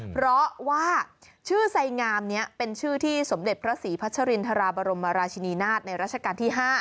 เพราะว่าชื่อไสงามนี้เป็นชื่อที่สมเด็จพระศรีพัชรินทราบรมราชินีนาฏในราชการที่๕